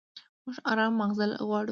موږ ارام ماغزه غواړو.